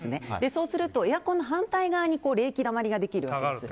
そうするとエアコンの反対側に冷気だまりができるわけです。